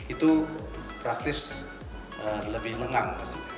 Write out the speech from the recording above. itu praktis lebih lengang